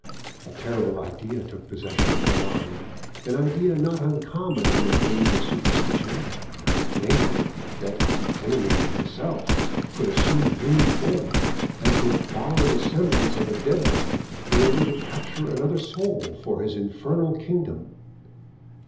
A terrible idea took possession of her mind, an idea not uncommon in an age of superstition, namely, that the Enemy himself could assume human form, and could borrow the semblance of a dead man in order to capture another soul for his infernal kingdom.